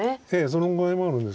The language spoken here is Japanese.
その具合もあるんです。